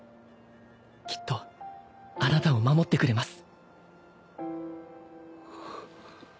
きっとあなたを守ってくれます。